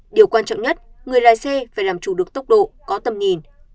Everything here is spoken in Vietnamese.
điều quan trọng nhất người lái xe phải làm chủ được tốc độ có tầm nhìn